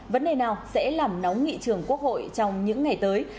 vấn đề nào sẽ làm nóng nghị trường quốc hội trong những ngày tới